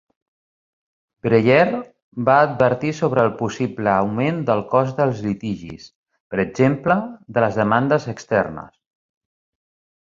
Breyer va advertir sobre el possible augment del cost dels litigis, per exemple, de les demandes externes.